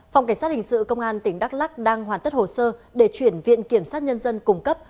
phòng cảnh sát hình sự công an tỉnh đắk lắc đang hoàn tất hồ sơ để chuyển viện kiểm sát nhân dân cung cấp